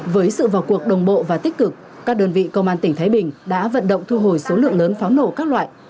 với sự vào cuộc đồng bộ và tích cực các đơn vị công an tỉnh thái bình đã vận động thu hồi số lượng lớn pháo nổ các loại